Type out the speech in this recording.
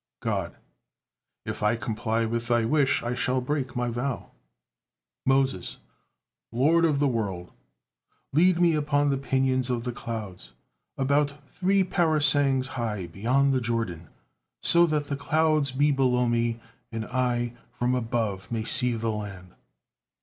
God: "If I comply with thy wish, I shall break My vow." Moses: "Lord of the world! Lead me upon the pinions of the clouds about three parasangs high beyond the Jordan, so that the clouds be below me, and I from above may see the land."